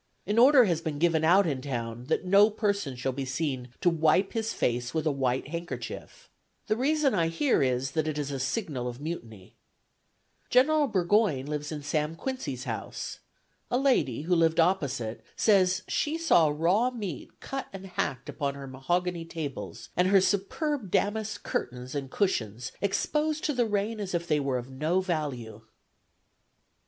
An order has been given out in town that no person shall be seen to wipe his face with a white handkerchief. The reason I hear is, that it is a signal of mutiny. General Burgoyne lives in Mr. Sam Quincy's house. A lady, who lived opposite, says she saw raw meat cut and hacked upon her mahogany tables, and her superb damask curtains and cushions exposed to the rain, as if they were of no value.